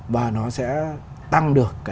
và nó sẽ tăng được